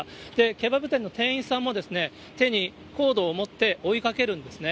ケバブ店の店員さんも、手にコードを持って追いかけるんですね。